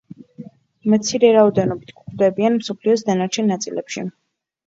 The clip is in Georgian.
მცირე რაოდენობით გვხვდებიან მსოფლიოს დანარჩენ ნაწილებში.